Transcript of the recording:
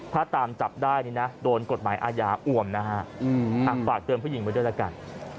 ถ้าตามจับได้นี่นะโดนกฎหมายอาญาอวมนะฮะฝากเตือนผู้หญิงไว้ด้วยละกัน